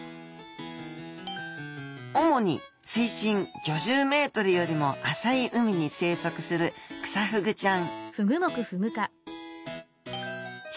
主に水深５０ｍよりも浅い海に生息するクサフグちゃん。